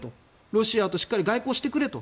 ロシアとしっかり外交してくれと。